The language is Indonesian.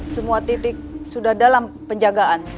semua titik sudah dalam penjagaan